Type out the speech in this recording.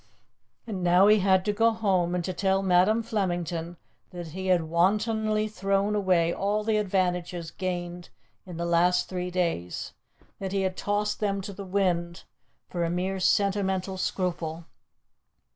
And now he had to go home and to tell Madam Flemington that he had wantonly thrown away all the advantages gained in the last three days, that he had tossed them to the wind for a mere sentimental scruple!